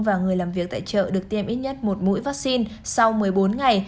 và người làm việc tại chợ được tiêm ít nhất một mũi vaccine sau một mươi bốn ngày